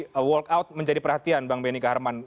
jadi walk out menjadi perhatian bang benny kaharman